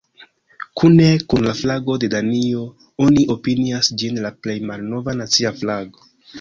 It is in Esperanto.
Kune kun la flago de Danio, oni opinias ĝin la plej malnova nacia flago.